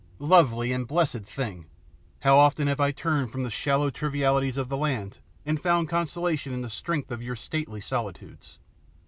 Lovely and blessed thing! how often have I turned from the shallow trivialities of the land and found consolation in the strength of your stately solitudes!